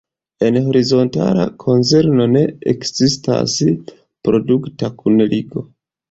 En horizontala konzerno ne ekzistas produkta kunligo.